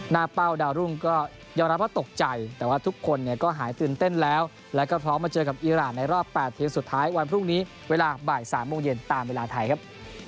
เกือบแผ่นดินไหว้เราก็จะรู้สึกด้มใจกลัวครับ